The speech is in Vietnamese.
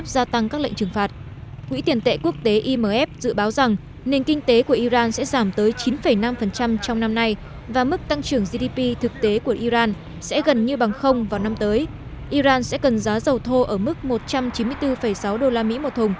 tất cả các lệnh trừng phạt kinh tế của iran vẫn tiếp tục thực hiện đầy đủ các bước đi phá bỏ cam kết